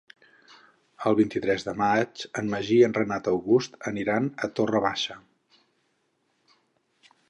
El vint-i-tres de maig en Magí i en Renat August aniran a Torre Baixa.